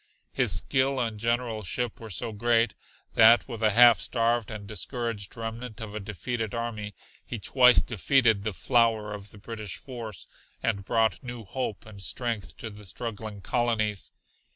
His skill and generalship were so great that with a half starved and discouraged remnant of a defeated army he twice defeated the flower of the British force, and brought new hope and strength to the struggling colonies.